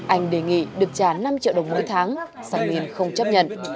anh đề nghị được trả năm triệu đồng mỗi tháng xã miên không chấp nhận